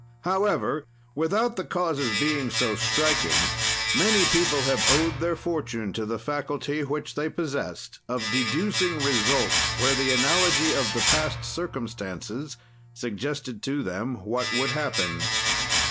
However, without the causes being so striking, many people have owed their fortune to the faculty which they possest of deducing results where the analogy of the past circumstances suggested to them what would happen.